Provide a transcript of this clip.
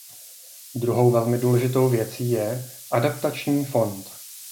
Druhou velmi důležitou věcí je adaptační fond.